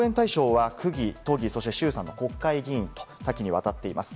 応援対象は区議、都議、そして衆参の国会議員と多岐にわたっています。